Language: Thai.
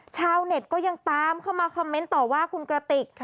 ชาวเน็ตก็ยังตามเข้ามาคอมเมนต์ต่อว่าคุณกระติก